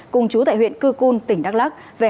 cùng chú tại huyện cư cun tỉnh đắk lắc